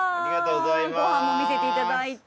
ご飯も見せていただいて。